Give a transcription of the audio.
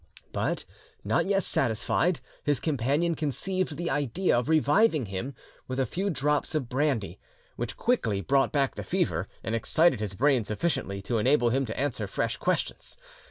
But, not yet satisfied, his companion conceived the idea of reviving him with a few drops of brandy, which quickly brought back the fever, and excited his brain sufficiently to enable him to answer fresh questions.